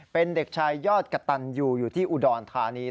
เป็นเด็กชายยอดกะตันยูอยู่ที่อุดรธานี